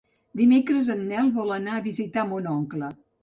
Dimecres en Nel vol anar a visitar mon oncle.